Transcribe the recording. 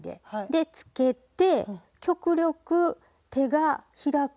でつけて極力手が開く。